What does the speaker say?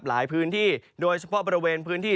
หลายพื้นที่โดยเฉพาะบริเวณพื้นที่